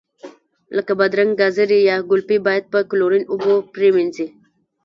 لکه بادرنګ، ګازرې یا ګلپي باید په کلورین اوبو پرېمنځي.